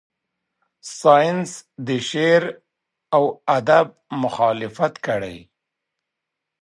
ساینس د شعر و ادب مخالفت کړی.